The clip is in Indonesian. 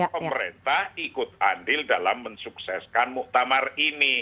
pemerintah ikut andil dalam mensukseskan muktamar ini